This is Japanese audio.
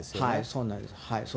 そうなんです。